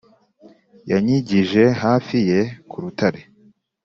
Yanyigije hafi ye ku Rutare,